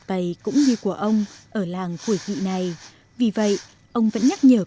dù cuộc sống đã khá lên rất nhiều